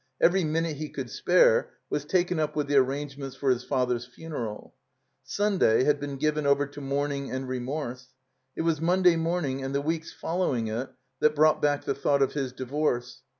Every minute he could spare was taken up with the arrangements for his father's ftmeral. Sunday had been given over to mourning and remorse. It was Monday morning and the weeks following it that brought back the thought of his divorce.